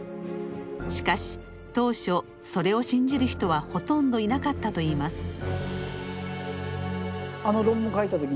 しかし当初それを信じる人はほとんどいなかったといいます。